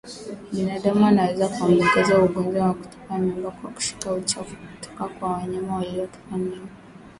Binadamu anaweza kuambukizwa ugonjwa wa kutupa mimba kwa kushika uchafu kutoka kwa wanyama waliotupa mimba